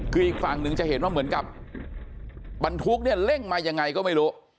คืออีกฝั่งหนึ่งจะเห็นว่าเหมือนกับบรรทุกเนี่ยเร่งมายังไงก็ไม่รู้